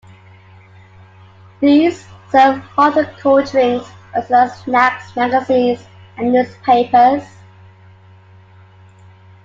These serve hot and cold drinks as well as snacks, magazines and newspapers.